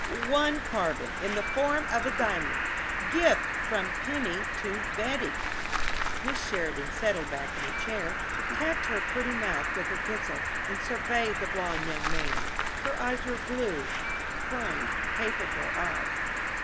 "One carbon in the form of a diamond gift from Penny to Betty." Miss Sheridan settled back in her chair, tapped her pretty mouth with her pencil, and surveyed the blond young man. Her eyes were blue frank, capable eyes.